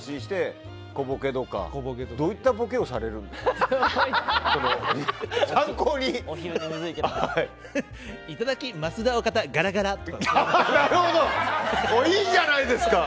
どういったボケをされるんですか？